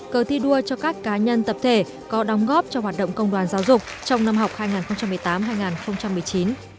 cờ thi đua cho các cá nhân tập thể có đóng góp cho hoạt động công đoàn giáo dục trong năm học hai nghìn một mươi tám hai nghìn một mươi chín